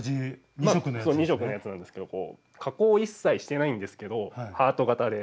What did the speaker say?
２色のやつなんですけど加工を一切してないんですけどハート形でかわいくないですか？